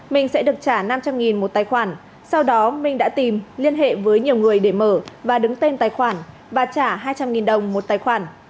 minh sẽ được trả năm trăm linh một tài khoản sau đó minh đã tìm liên hệ với nhiều người để mở và đứng tên tài khoản và trả hai trăm linh đồng một tài khoản